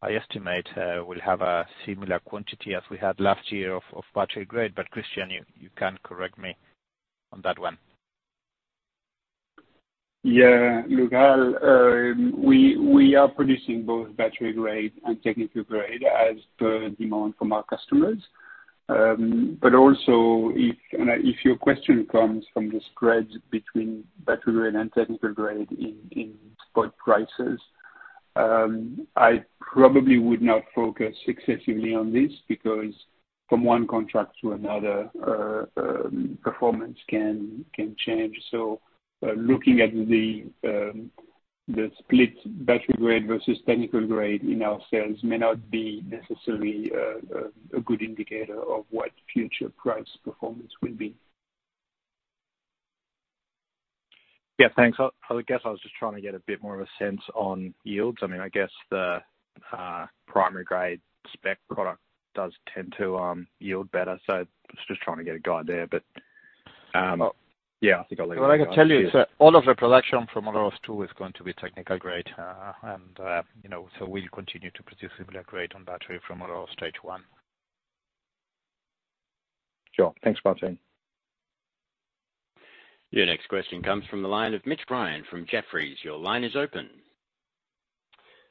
I estimate we'll have a similar quantity as we had last year of battery grade, but Christian, you can correct me on that one. Yeah. Look, Al, we are producing both battery grade and technical grade as per demand from our customers. But also if, and if your question comes from the spread between battery grade and technical grade in spot prices, I probably would not focus excessively on this, because from one contract to another, performance can change. Looking at the split battery grade versus technical grade in our sales may not be necessarily a good indicator of what future price performance will be. Yeah, thanks. I, I guess I was just trying to get a bit more of a sense on yields. I mean, I guess the primary grade spec product does tend to yield better, so I was just trying to get a guide there. Yeah, I think I'll leave it there. What I can tell you is that all of the production from Olaroz Stage Two is going to be technical grade. You know, we'll continue to produce similar grade on battery from Olaroz Stage 1. Sure. Thanks, Martine. Your next question comes from the line of Mitch Ryan from Jefferies. Your line is open.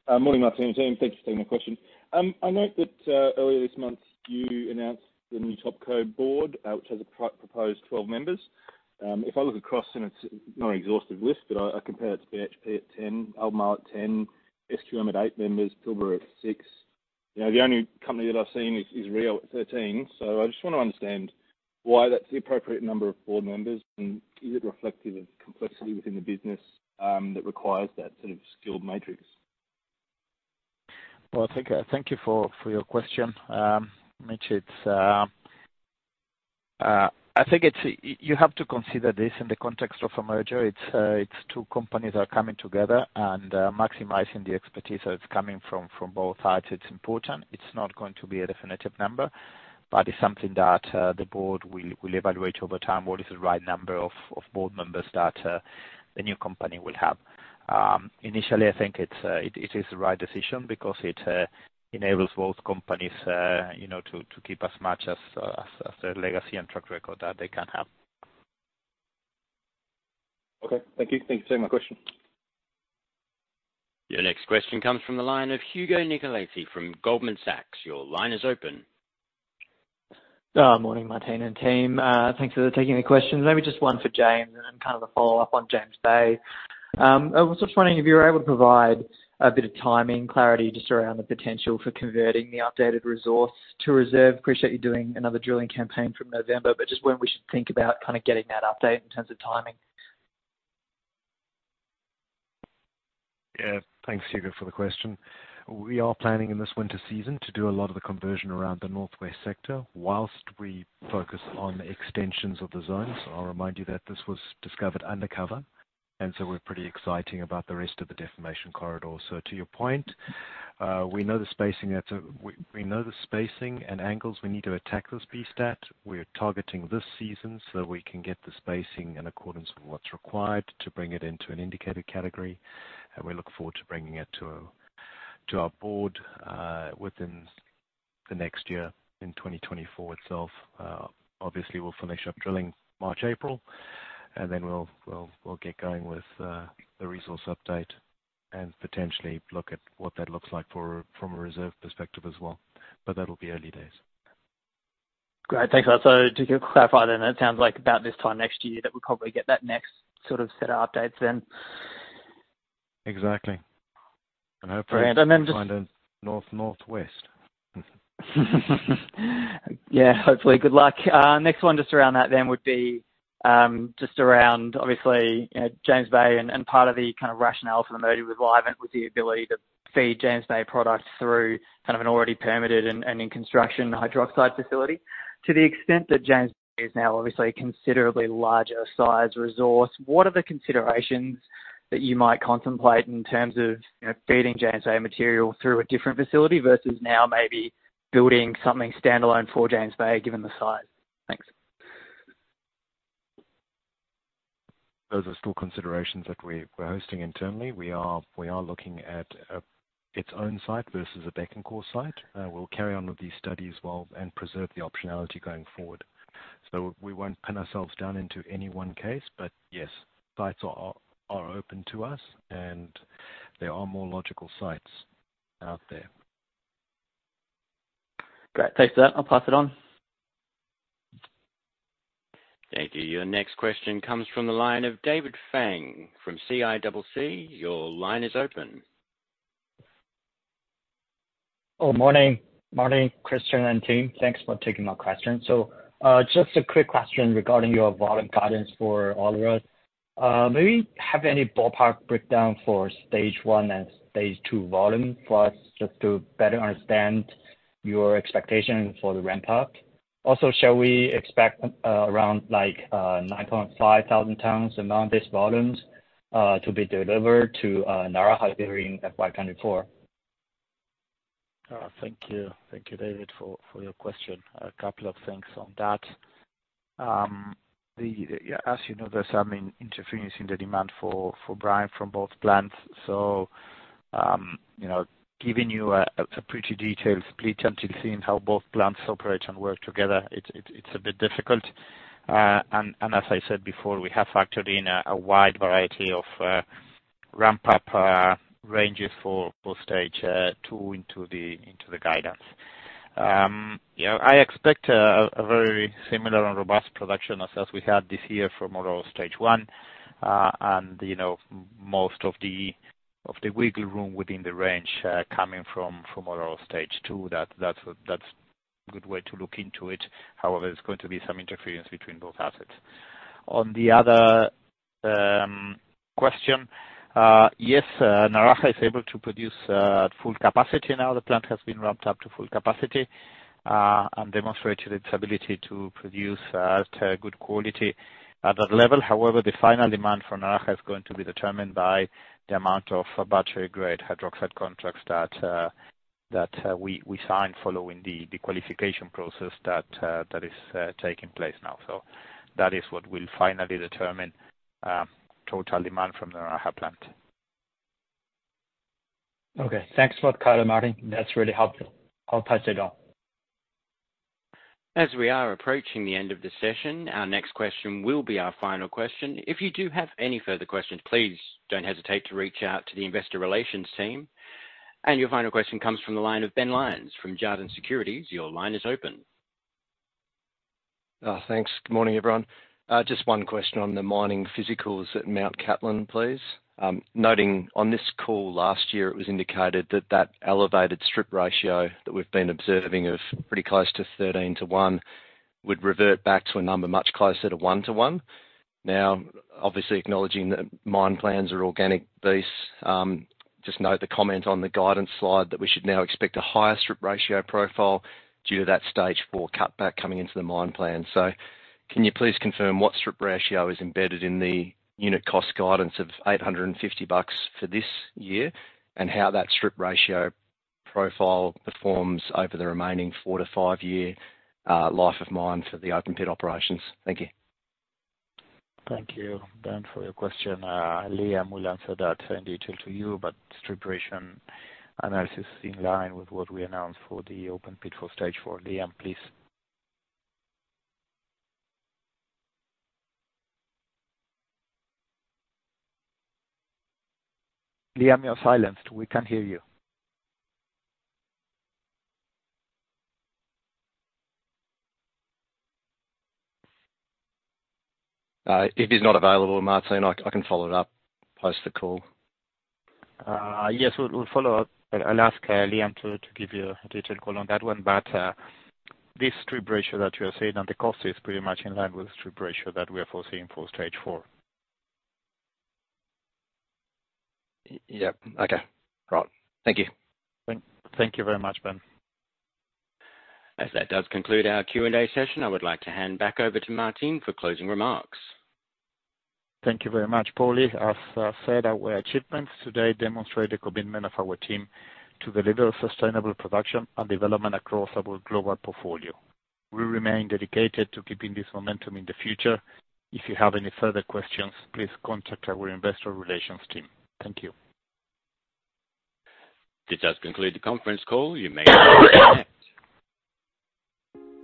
Morning, Martine and team. Thank you for taking my question. I note that, earlier this month, you announced the new Topco board, which has proposed 12 members. If I look across, and it's not an exhaustive list, but I, I compare it to BHP at 10, Albemarle at 10, SQM at 8 members, Pilbara at 6. You know, the only company that I've seen is, is Rio at 13. I just wanna understand why that's the appropriate number of board members, and is it reflective of complexity within the business, that requires that sort of skilled matrix? Well, thank, thank you for, for your question. Mitch, it's, I think you have to consider this in the context of a merger. It's, it's two companies are coming together and maximizing the expertise that is coming from, from both sides. It's important. It's not going to be a definitive number, but it's something that the board will, will evaluate over time. What is the right number of, of board members that the new company will have? Initially, I think it's, it is the right decision because it enables both companies, you know, to keep as much as, as the legacy and track record that they can have. Okay. Thank you. Thank you for taking my question. Your next question comes from the line of Hugo Nicolaci from Goldman Sachs. Your line is open. Morning, Martine and team. Thanks for taking the question. Maybe just one for James and then kind of a follow-up on James Bay. I was just wondering if you were able to provide a bit of timing, clarity, just around the potential for converting the updated resource to reserve. Appreciate you doing another drilling campaign from November, but just when we should think about kind of getting that update in terms of timing. Yeah. Thanks, Hugo, for the question. We are planning in this winter season to do a lot of the conversion around the northwest sector, whilst we focus on extensions of the zones. I'll remind you that this was discovered undercover, and so we're pretty exciting about the rest of the deformation corridor. To your point, we know the spacing that we know the spacing and angles we need to attack this beast at. We're targeting this season, so we can get the spacing in accordance with what's required to bring it into an Indicated category, and we look forward to bringing it to, to our board, within the next year, in 2024 itself. Obviously, we'll finish up drilling March, April, and then we'll, we'll, we'll get going with the resource update and potentially look at what that looks like for a, from a reserve perspective as well. That'll be early days. Great. Thanks a lot. Just to clarify then, it sounds like about this time next year, that we'll probably get that next sort of set of updates then? Exactly. Hopefully find a north northwest. Yeah, hopefully. Good luck. Next one, just around that then would be, just around obviously, you know, James Bay and, and part of the kind of rationale for the merger with Livent was the ability to feed James Bay products through kind of an already permitted and, and in construction hydroxide facility. To the extent that James Bay is now obviously a considerably larger size resource, what are the considerations that you might contemplate in terms of, you know, feeding James Bay material through a different facility, versus now maybe building something standalone for James Bay, given the size? Thanks. Those are still considerations that we're, we're hosting internally. We are, we are looking at its own site versus a Bécancour site. We'll carry on with these studies and preserve the optionality going forward. We won't pin ourselves down into any one case, but yes, sites are, are open to us, and there are more logical sites out there. Great! Thanks for that. I'll pass it on. Thank you. Your next question comes from the line of David Fang from CICC. Your line is open. Oh, morning. Morning, Christian and team. Thanks for taking my question. Just a quick question regarding your volume guidance for all of us. Maybe have any ballpark breakdown for stage one and stage two volume for us, just to better understand your expectation for the ramp up? Shall we expect around 9,500 tons amount-based volumes to be delivered to Naraha during FY24? Thank you. Thank you, David, for your question. A couple of things on that. The, yeah, as you know, there's some interference in the demand for brine from both plants. So, you know, giving you a pretty detailed split until seeing how both plants operate and work together, it's, it's, it's a bit difficult. And, as I said before, we have factored in a wide variety of ramp-up ranges for both Olaroz Stage Two into the guidance. You know, I expect a very similar and robust production as we had this year for Olaroz Stage 1. And, you know, most of the wiggle room within the range coming from Olaroz Stage Two, that, that's, that's a good way to look into it. However, there's going to be some interference between both assets. On the other question, yes, Naraha is able to produce at full capacity now. The plant has been ramped up to full capacity and demonstrated its ability to produce at a good quality at that level. However, the final demand for Naraha is going to be determined by the amount of battery-grade hydroxide contracts that we sign following the qualification process that is taking place now. That is what will finally determine total demand from the Naraha plant. Okay. Thanks a lot, Carlo Martin. That's really helpful. I'll pass it on. As we are approaching the end of the session, our next question will be our final question. If you do have any further questions, please don't hesitate to reach out to the investor relations team. Your final question comes from the line of Ben Lyons from Jarden Securities. Your line is open. Thanks. Good morning, everyone. Just one question on the mining physicals at Mount Catlin, please. Noting on this call last year, it was indicated that that elevated strip ratio that we've been observing of pretty close to 13 to 1, would revert back to a number much closer to 1 to 1. Now, obviously acknowledging that mine plans are organic beasts, just note the comment on the guidance slide that we should now expect a higher strip ratio profile due to that Stage Four cutback coming into the mine plan. Can you please confirm what strip ratio is embedded in the unit cost guidance of $850 for this year, and how that strip ratio profile performs over the remaining 4-5 year life of mine for the open pit operations? Thank you. Thank you, Ben, for your question. Liam will answer that in detail to you, but strip ratio analysis is in line with what we announced for the open pit for Stage Four. Liam, please. Liam, you're silenced. We can't hear you. If he's not available, Martin, I, I can follow it up post the call. Yes, we'll, we'll follow up. I'll ask Liam to, to give you a detailed call on that one. This strip ratio that you are seeing on the cost is pretty much in line with strip ratio that we are foreseeing for Stage Four. Yep. Okay. Right. Thank you. Thank you very much, Ben. As that does conclude our Q&A session, I would like to hand back over to Martín for closing remarks. Thank you very much, Paulie. As I said, our achievements today demonstrate the commitment of our team to deliver sustainable production and development across our global portfolio. We remain dedicated to keeping this momentum in the future. If you have any further questions, please contact our investor relations team. Thank you. This does conclude the conference call. You may disconnect.